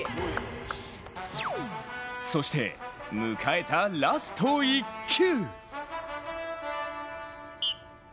そして迎えたラスト１球。